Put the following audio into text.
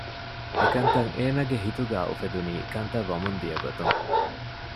އެކަންތައް އޭނަގެ ހިތުގައި އުފެދުނީ ކަންތައް ވަމުން ދިޔަ ގޮތުން